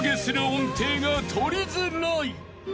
［が取りづらい］